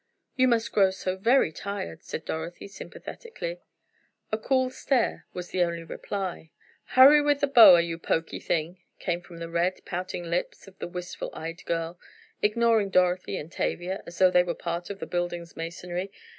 "You must grow so very tired," said Dorothy, sympathetically. A cool stare was the only reply. "Hurry with the boa, you poky thing," came from the red, pouting lips of the wistful eyed girl, ignoring Dorothy and Tavia as though they were part of the building's masonry.